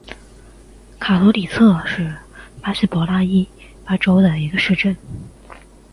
卡图里特是巴西帕拉伊巴州的一个市镇。